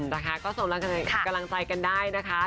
นะคะก็ส่งกำลังใจกันได้นะคะ